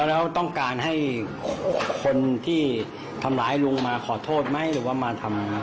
แล้วต้องการให้คนที่ทำร้ายลุงมาขอโทษไหมหรือว่ามาทำ